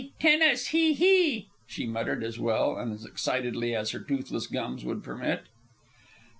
Tenas Hee Hee!" she muttered as well and as excitedly as her toothless gums would permit.